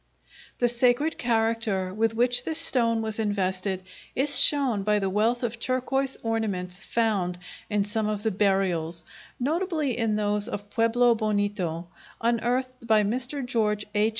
The sacred character with which this stone was invested is shown by the wealth of turquoise ornaments found in some of the burials, notably in those of Pueblo Bonito, unearthed by Mr. George H.